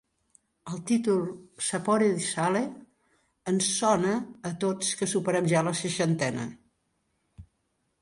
El títol "Sapore di sale" ens "sona" a tots que superem ja la seixantena.